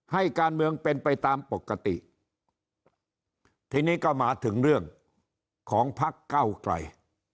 ให้การเมืองเป็นไปตามปกติทีนี้ก็มาถึงเรื่องของพักเก้าไกร